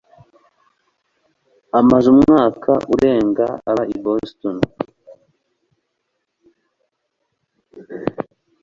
amaze umwaka urenga aba i Boston